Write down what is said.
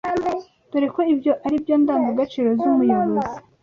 dore ko ibyo ari byo ndangagaciro z’umuyobozi